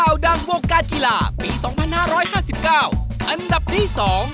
ดังวงการกีฬาปี๒๕๕๙อันดับที่๒